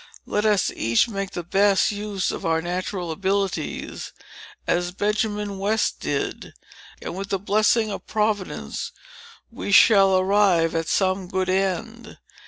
Let us each make the best use of our natural abilities, as Benjamin West did; and with the blessing of Providence, we shall arrive at some good end.